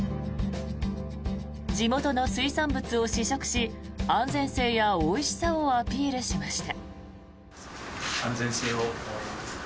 地元の水産物を試食し安全性やおいしさをアピールしました。